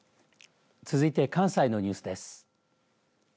続いて関西のニュースです。